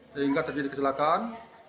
sehingga terjadi kecelakaan